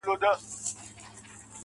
ستا د واده شپې ته شراب پيدا کوم څيښم يې.